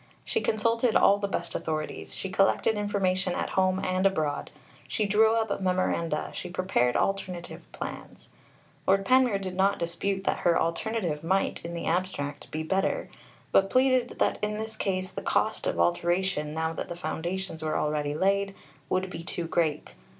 She consulted all the best authorities, she collected information at home and abroad, she drew up memoranda, she prepared alternative plans. Lord Panmure did not dispute that her alternative might, in the abstract, be better, but pleaded that in this case the cost of alteration, now that the foundations were already laid, would be too great.